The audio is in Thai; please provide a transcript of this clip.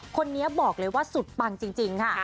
คนนี้บอกเลยว่าสุดปังจริงค่ะ